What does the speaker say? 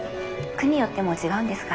区によっても違うんですが。